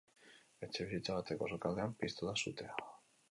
Etxebizitza bateko sukaldean piztu da sutea.